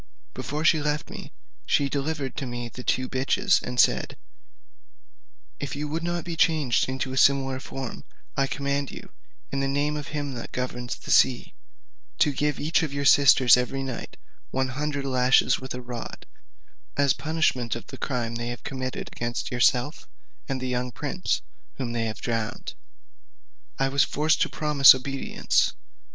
Before she left me, she delivered to me the two bitches, and said, "If you would not be changed into a similar form, I command you, in the name of him that governs the sea, to give each of your sisters every night one hundred lashes with a rod, as the punishment of the crime they have committed against yourself, and the young prince, whom they have drowned." I was forced to promise obedience.